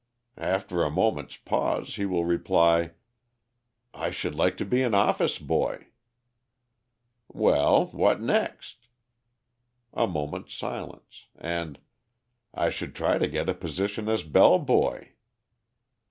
After a moment's pause he will reply: 'I should like to be an office boy.' 'Well, what next?' A moment's silence, and, 'I should try to get a position as bell boy.'